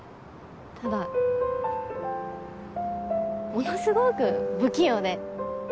ただものすごく不器用で。